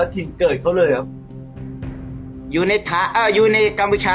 ถิ่นเกิดเขาเลยครับ